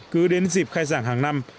cứ đến dịp khai giảng hàng năm